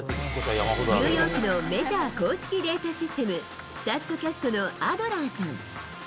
ニューヨークのメジャー公式データシステム、スタットキャストのアドラーさん。